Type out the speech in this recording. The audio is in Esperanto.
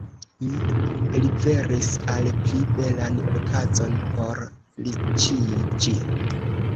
Mi liveris al vi belan okazon por riĉiĝi.